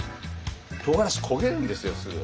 とうがらし焦げるんですよすぐ。